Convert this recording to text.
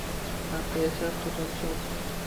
Xalqi yashar xurram-shod.